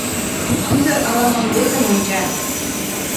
Ӱдыр ала-мом весым онча.